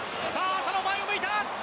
浅野、前を向いた。